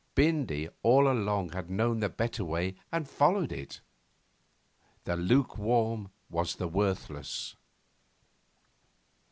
Bindy all along had known the better way and followed it. The lukewarm was the worthless.